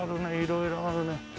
色々あるね。